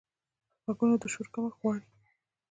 غوږونه د شور کمښت غواړي